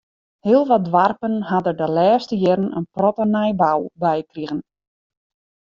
Heel wat doarpen ha der de lêste jierren in protte nijbou by krige.